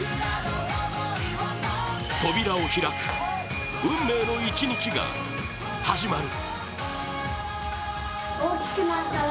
扉を開く、運命の一日が始まる。